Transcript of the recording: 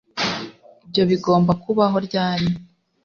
ibyo bigomba kubaho ryari